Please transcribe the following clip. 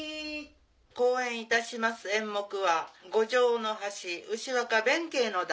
公演いたします演目は「五条の橋牛若弁慶の段」。